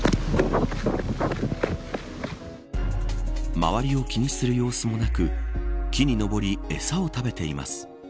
周りを気にする様子もなく木に登り、えさを食べています。